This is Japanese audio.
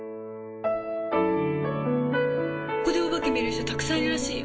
ここでお化け見る人たくさんいるらしいよ。